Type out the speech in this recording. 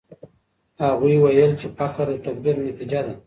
هغوی ويل چي فقر د تقدير نتيجه ده.